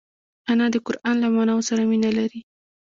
انا د قران له معناوو سره مینه لري